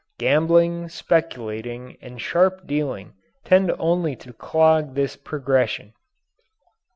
Gambling, speculating, and sharp dealing tend only to clog this progression.